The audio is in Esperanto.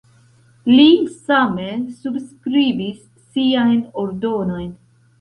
Li same subskribis siajn ordonojn.